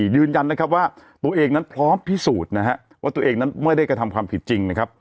ยืนยันว่าตัวเอกนั้นพร้อมพิสูจน์ว่าตัวเอกนั้นไม่ได้กระทำความผิดจริง